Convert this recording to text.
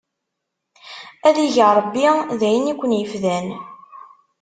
Ad ig Ṛebbi d ayen i ken-ifdan!